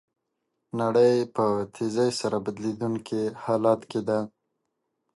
نړۍ په تېزۍ سره بدلیدونکي حالت کې ده.